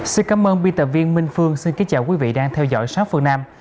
xin cảm ơn biên tập viên minh phương xin kính chào quý vị đang theo dõi sát phương nam